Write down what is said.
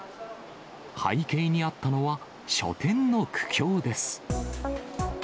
背景にあったのは、書店の苦境です。